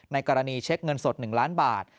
กรณีเช็คเงินสด๑ล้านบาท